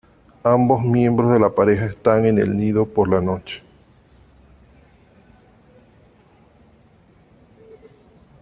Ambos miembros de la pareja están en el nido por la noche.